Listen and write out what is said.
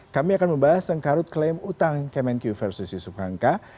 kami akan membahas sengkarut klaim hutang kemen q versus yusuf hamka